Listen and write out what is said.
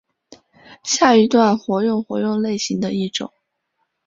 下一段活用活用类型的一种。